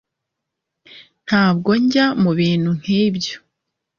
ntabwo njya mubintu nkibyo